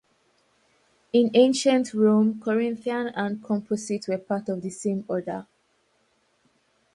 In Ancient Rome Corinthian and composite were part of the same order.